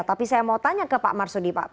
tapi saya mau tanya ke pak marsudi pak